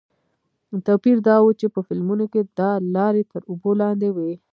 توپیر دا و چې په فلمونو کې دا لارې تر اوبو لاندې وې.